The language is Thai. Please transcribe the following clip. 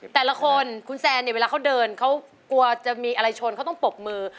แต่ละคนคุณแซนเนี่ยเวลาเขาเดินเขากลัวจะมีอะไรชนเขาต้องปรบมือ